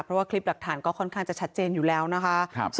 เพราะว่าคลิปหลักฐานก็ค่อนข้างจะชัดเจนอยู่แล้วนะคะ